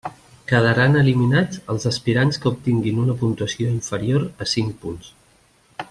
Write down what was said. Quedaran eliminats els aspirants que obtinguin una puntuació inferior a cinc punts.